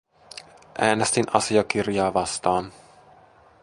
Äänestin asiakirjaa vastaan.